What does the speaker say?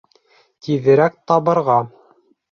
Тиҙерәк табырға!